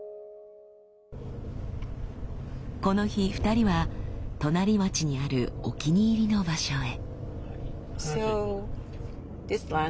この日２人は隣町にあるお気に入りの場所へ。